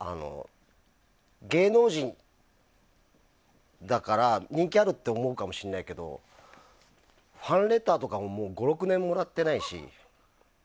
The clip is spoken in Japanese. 芸能人だから人気があると思うかもしれないけどファンレターとかも５６年もらってないし。